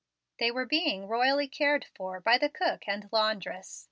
They were being royally cared for by the cook and laundress.